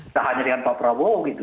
tak hanya dengan pak prabowo gitu